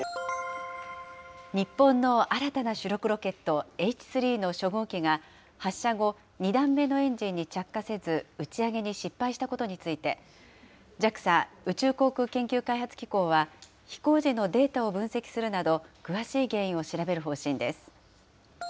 日本の新たな主力ロケット、Ｈ３の初号機が、発射後、２段目のエンジンに着火せず、打ち上げに失敗したことについて、ＪＡＸＡ・宇宙航空研究開発機構は、飛行時のデータを分析するなど、詳しい原因を調べる方針です。